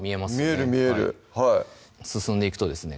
見える見える進んでいくとですね